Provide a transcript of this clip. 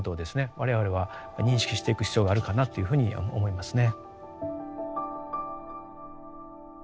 我々は認識していく必要があるかなというふうに思いますね。